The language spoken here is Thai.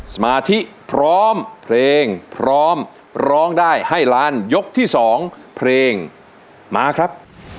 สมาธิพร้อมเพลงพร้อมร้องได้ให้ล้านยกที่๒เพลงมาครับ